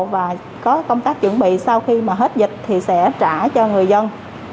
và có công tác chuẩn bị sau khi mà hết dịch thì sẽ trả cho người dân